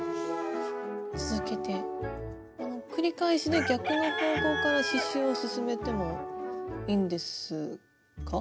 続けて繰り返しで逆の方向から刺しゅうを進めてもいいんですか？